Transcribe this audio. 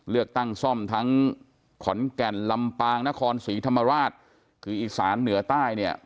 เลือกตั้งซ่อมทั้งขอนแก่นลำปางนครศรีธรรมราชคืออีสานเหนือใต้เนี่ย